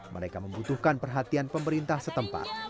mereka membutuhkan perhatian pemerintah setempat